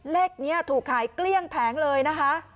เลขนี้ถูกขายเกลี้ยงแผงเลยนะคะ